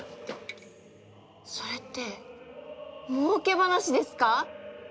それってもうけ話ですか？